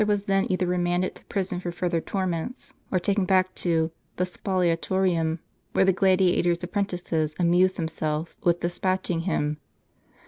was then either remanded to prison for further torments, or taken back to the s])oliatorium, where the gladiator's appren tices amused themselves with despatching him.